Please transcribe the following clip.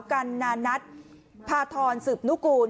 กรรณนัทพาทรสืบนุกูล